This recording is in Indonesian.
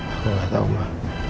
aku gak tau ma